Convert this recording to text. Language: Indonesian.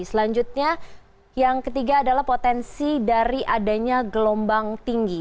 selanjutnya yang ketiga adalah potensi dari adanya gelombang tinggi